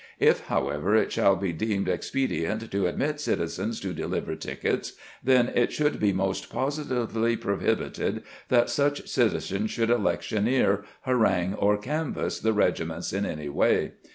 If, however, it shall be deemed ex A PLAN FOE VOTING IN THE FIELD 323 pedient to admit citizens to deliver tickets, then it should be most positively prohibited that such citizens should electioneer, harangue, or canvass the regiments in any way.